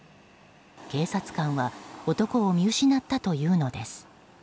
警察官は男を見失ったというのです。